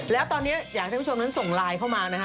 แล้วตอนนี้อยากให้ผู้ชมนั้นส่งไลน์เข้ามานะฮะ